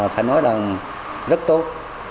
phải nói là rất tốt